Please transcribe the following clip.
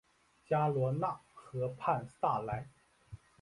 加罗讷河畔萨莱。